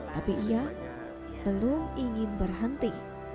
tapi ia belum ingin berhenti